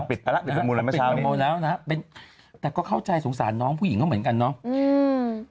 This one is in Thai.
ปิดประมูลแล้วนะฮะแต่ก็เข้าใจสงสารน้องผู้หญิงก็เหมือนกันเนาะ